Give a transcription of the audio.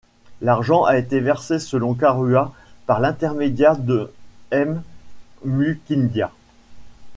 L'argent a été versé selon Karua par l'intermédiaire de M'Mukindia.